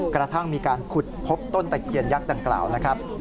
กระทั่งมีการขุดพบต้นตะเคียนยักษ์ดังกล่าวนะครับ